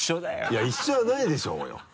いや一緒じゃないでしょうよ！